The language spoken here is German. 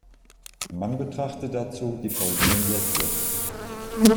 Man betrachte dazu die folgenden Sätze.